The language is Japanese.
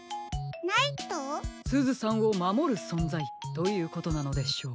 すずさんをまもるそんざいということなのでしょう。